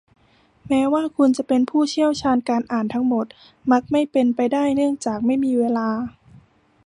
แม้ว่าคุณจะเป็นผู้เชี่ยวชาญการอ่านทั้งหมดมักไม่เป็นไปได้เนื่องจากไม่มีเวลา